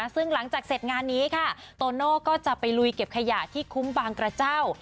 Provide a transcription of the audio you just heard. ซึ่งหลังจากเสร็จงานนี้ค่ะโตโน่ก็จะไปลุยเก็บขยะที่คุ้มบางกระเจ้า